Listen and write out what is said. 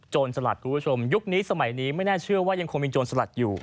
สลัดคุณผู้ชมยุคนี้สมัยนี้ไม่น่าเชื่อว่ายังคงมีโจรสลัดอยู่